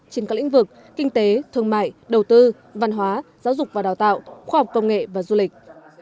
trên các lĩnh vực kinh tế thương mại đầu tư văn hóa giáo dục và đào tạo khoa học công nghệ và du lịch